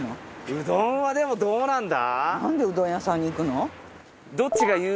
うどんはでもどうなんだ？